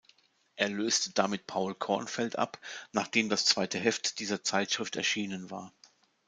Er löste damit Paul Kornfeld ab, nachdem das zweite Heft dieser Zeitschrift erschienen war.